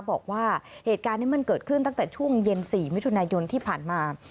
บอกว่าเหตุการณ์นี้มันเกิดขึ้นตั้งแต่ช่วงเย็น๔มิถุนายนที่ผ่านมา